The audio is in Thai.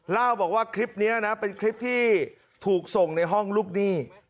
เล่าบอกว่าคลิปนี้นะเป็นคลิปที่ถูกส่งในห้องลูกหนี้